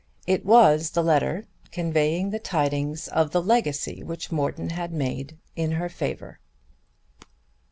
It was the letter conveying the tidings of the legacy which Morton had made in her favour.